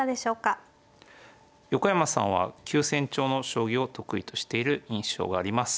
横山さんは急戦調の将棋を得意としている印象があります。